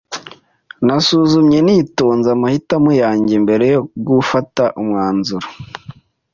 Nasuzumye nitonze amahitamo yanjye mbere yo gufata umwanzuro.